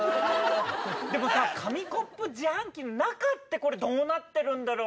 でもさ、紙コップ自販機の中って、これ、どうなってるんだろう。